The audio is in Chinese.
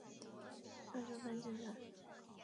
拿督潘健成